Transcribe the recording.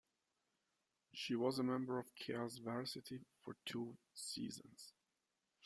She was a member of Cal's varsity for two seasons.